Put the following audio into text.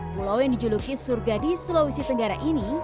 pulau yang dijuluki surga di sulawesi tenggara ini